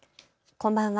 こんばんは。